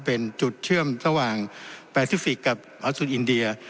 เป็นจุดเชื่อมระหว่างแปซิฟิกกับออสสุนอินเดีย